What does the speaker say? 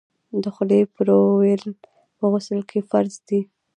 د خولې پریولل په غسل کي فرض دي.